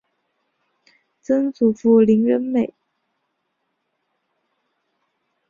曾祖父林仁美。